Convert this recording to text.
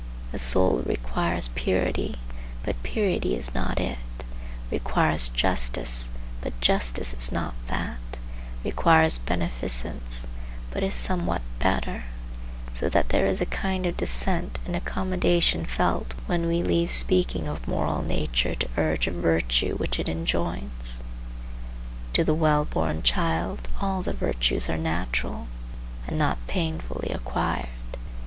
The soul requires purity, but purity is not it; requires justice, but justice is not that; requires beneficence, but is somewhat better; so that there is a kind of descent and accommodation felt when we leave speaking of moral nature to urge a virtue which it enjoins. To the well born child all the virtues are natural, and not painfully acquired.